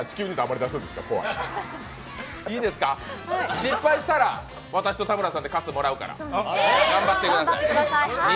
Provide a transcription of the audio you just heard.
いいですか、失敗したら私と田村さんで、かつもらうから頑張ってください。